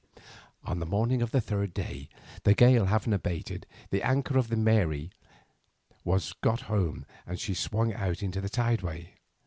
"On the morning of the third day, the gale having abated, the anchor of the 'Mary' was got home and she swung out into the tideway.